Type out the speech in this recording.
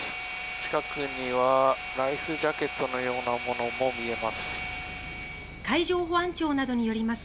近くにはライフジャケットのようなものも見えます。